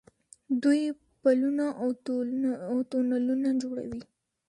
دوی پلونه او تونلونه جوړوي.